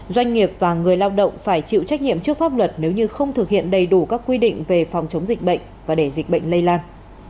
doanh nghiệp và người lao động phải chịu trách nhiệm trước pháp luật nếu như không thực hiện đầy đủ các quy định về phòng chống dịch bệnh và để dịch bệnh lây lan